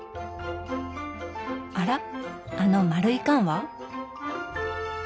あらあの丸い缶は？